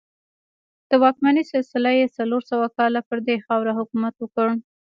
د واکمنۍ سلسله یې څلور سوه کاله پر دغې خاوره حکومت وکړ